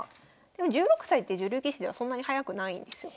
でも１６歳って女流棋士ではそんなに早くないんですよ。